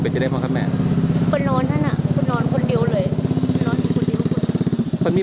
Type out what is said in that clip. โปรดติดตามต่อไป